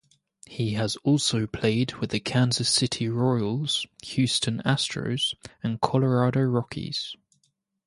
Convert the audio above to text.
He has also played with the Kansas City Royals, Houston Astros, and Colorado Rockies.